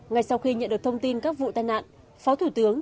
ngay sau khi nhận được thông tin các vụ tai nạn phó thủ tướng